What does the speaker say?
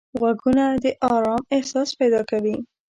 غوږونه د آرام احساس پیدا کوي